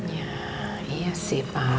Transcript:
ya iya sih pak